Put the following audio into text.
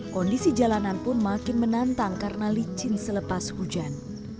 kondisi jalanan pun makin menantang karena licin selepas hujan